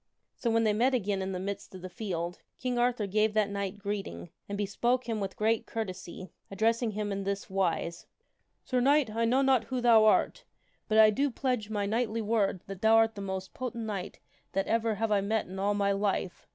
So, when they met again in the midst of the field, King Arthur gave that knight greeting, and bespoke him with great courtesy, addressing him in this wise: < Sir Knight, I know not who thou art, but I do pledge my 56 THE WINNING OF A SWORD knightly word that thou art the most potent knight that ever I have met in all of my life.